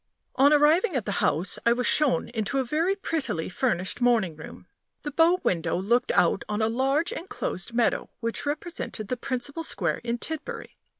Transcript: On arriving at the house, I was shown into a very prettily furnished morning room. The bow window looked out on a large inclosed meadow, which represented the principal square in Tidbury.